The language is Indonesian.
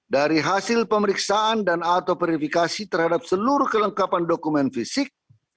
dari hasil pemeriksaan dan atau verifikasi terhadap seluruh kelengkapan dokumen fisik